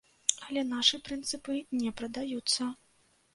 Але нашы прынцыпы не прадаюцца.